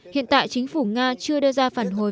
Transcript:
hiện tại chính phủ nga chưa đưa ra phản hồi